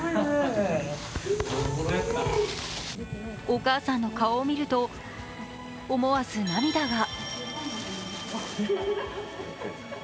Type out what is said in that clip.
お母さんの顔を見ると思わず涙が。